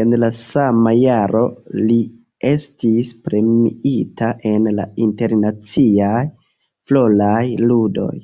En la sama jaro li estis premiita en la Internaciaj Floraj Ludoj.